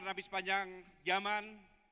nabi sepanjang zaman